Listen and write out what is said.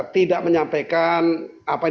tidak menyampaikan apa yang